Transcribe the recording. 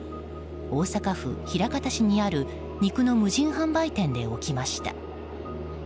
大阪府枚方市にある肉の無人販売店で起きました。